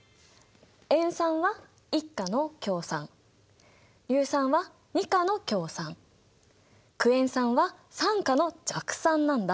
塩酸は１価の強酸硫酸は２価の強酸クエン酸は３価の弱酸なんだ。